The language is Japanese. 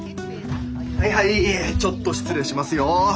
はいはいちょっと失礼しますよ。